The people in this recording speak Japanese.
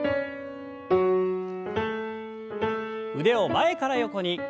腕を前から横に。